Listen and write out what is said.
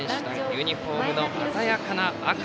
ユニフォームの鮮やかな赤。